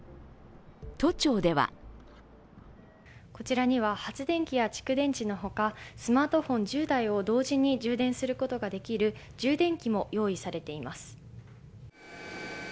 都庁ではこちらには発電機や蓄電池のほか、スマートフォン１０台を同時に充電することができる充電器も用意されています。